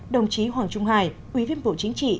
đồng chí hoàng trung hải quý viên vụ chính trị